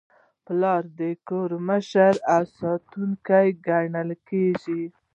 پلار د کور مشر او ساتونکی ګڼل کېږي.